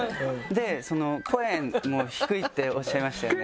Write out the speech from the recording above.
で声も低いっておっしゃいましたよね。